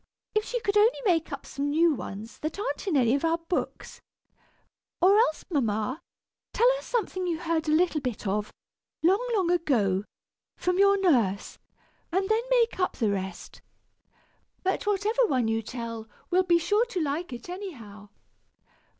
"If she could only make up some new ones that aren't in any of our books! Or else, mamma, tell us something you heard a little bit of, long, long ago, from your nurse, and then make up the rest. But whatever one you tell, we'll be sure to like it anyhow."